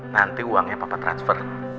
nanti uangnya papa transfer